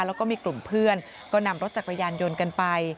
แล้วก็มีกลุ่มเพื่อนก็นำรถจักรยานยนต์กันไป